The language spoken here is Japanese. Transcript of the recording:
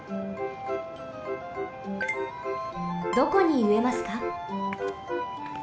どこにうえますか？